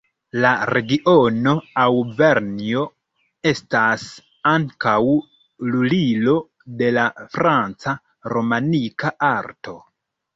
La regiono Aŭvernjo estas ankaŭ lulilo de la franca romanika arto.